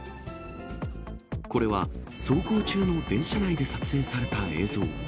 これは走行中の電車内で撮影された映像。